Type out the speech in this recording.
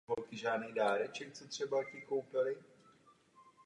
Skóroval z pokutového kopu.